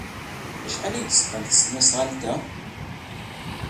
Acḥal ay ak-d-tesqam tesnasɣalt-a?